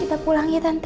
kita pulang ya tante